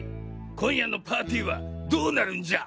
今夜のパーティーはどうなるんじゃ！